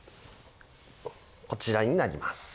こちらになります。